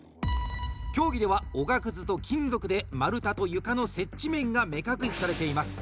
競技では、おがくずと金属で丸太と床の接地面が目隠しされています。